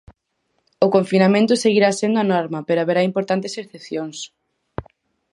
O confinamento seguirá sendo a norma, pero haberá importantes excepcións.